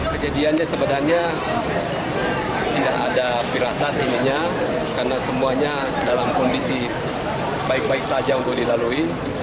kejadiannya sebenarnya tidak ada pilasan ininya karena semuanya dalam kondisi baik baik saja untuk dilalui